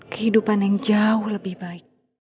kehidupan yang jauh lebih baik